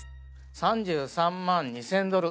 ３３万２，０００ドル。